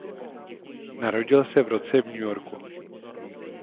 Narodil se v roce v New Yorku.